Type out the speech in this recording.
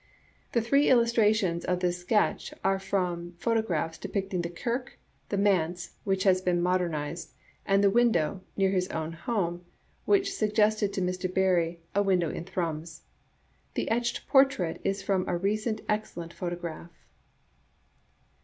The three illustrations of this sketch are from pho tographs depicting the Kirk, the manse (which has been modernized), and the window (near his own home), which suggested to Mr. Barrie " A Window in Thrums." The etched portrait is from a recent e^ccellent pho« tograph.